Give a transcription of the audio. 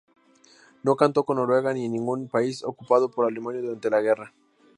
No cantó en Noruega ni en ningún país ocupado por Alemania durante la guerra.